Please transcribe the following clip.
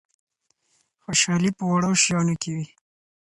خوشحالي په وړو شیانو کي وي.